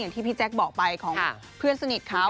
ที่พี่แจ๊คบอกไปของเพื่อนสนิทเขา